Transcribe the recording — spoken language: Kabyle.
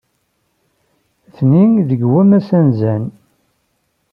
Atni deg wammas anezzan.